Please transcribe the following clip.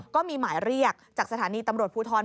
ก็มีหมายเรียกจากสถานีตำรวจภูทร